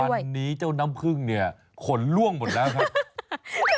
วันนี้เจ้าน้ำพึ่งเนี่ยขนล่วงหมดแล้วครับ